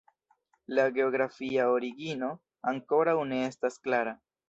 La geografia origino ankoraŭ ne estas klara.